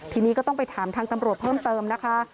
ทีนี้ก็ต้องไปถามทางตำรวจเพิ่มเติมนะคะ